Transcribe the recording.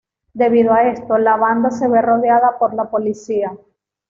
Debido a esto, la banda se ve rodeada por la policía.